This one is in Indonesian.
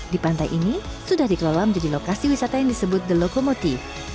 di pantai ini sudah dikelola menjadi lokasi wisata yang disebut the locomoty